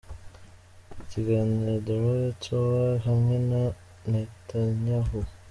Ikiganiro The Royal Tour hamwe na Netanyahu